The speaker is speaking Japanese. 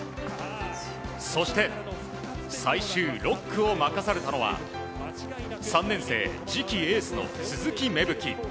そして、最終６区を任されたのは３年生、次期エースの鈴木芽吹。